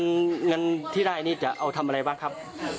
เงินเงินที่ได้นี่จะเอาทำอะไรบ้างครับ